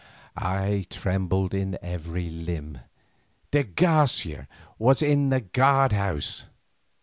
I trembled in every limb; de Garcia was in the guardhouse!